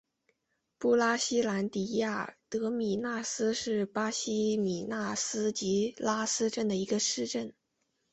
布拉西兰迪亚德米纳斯是巴西米纳斯吉拉斯州的一个市镇。